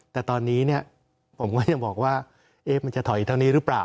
แต่ตอนนี้ผมก็ยังบอกว่ามันจะถอยเท่านี้หรือเปล่า